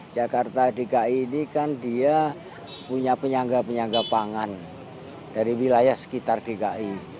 jakarta dki ini kan dia punya penyangga penyangga pangan dari wilayah sekitar dki